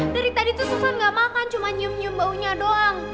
dari tadi tuh susan gak makan cuma nyium nyium baunya doang